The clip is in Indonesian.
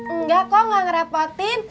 enggak kok enggak ngerepotin